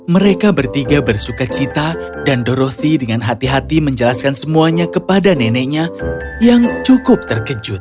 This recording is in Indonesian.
mereka bertiga bersuka cita dan dorothy dengan hati hati menjelaskan semuanya kepada neneknya yang cukup terkejut